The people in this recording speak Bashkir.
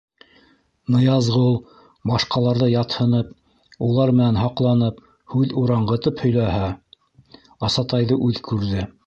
Ныязғол, башҡаларҙы ятһынып, улар менән һаҡланып, һүҙ ураңғытып һөйләһә, Асатайҙы үҙ күрҙе.